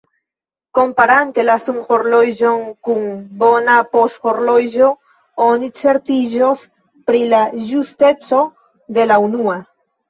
Komparante la sunhorloĝon kun bona poŝhorloĝo, oni certiĝos pri la ĝusteco de la unua.